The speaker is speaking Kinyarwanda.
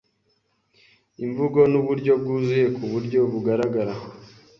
imvugo nuburyo bwuzuye kuburyo bugaragara